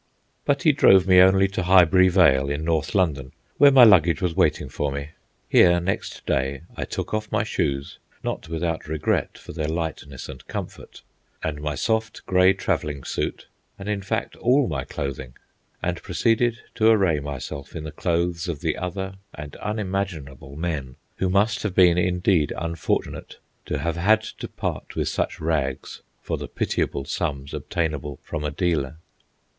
But he drove me only to Highbury Vale, in North London, where my luggage was waiting for me. Here, next day, I took off my shoes (not without regret for their lightness and comfort), and my soft, grey travelling suit, and, in fact, all my clothing; and proceeded to array myself in the clothes of the other and unimaginable men, who must have been indeed unfortunate to have had to part with such rags for the pitiable sums obtainable from a dealer.